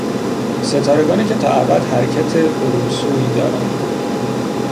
ستارگانی که تا ابد حرکت برونسوی دارند